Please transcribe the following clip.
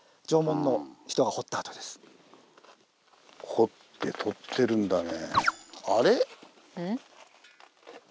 掘ってとってるんだね。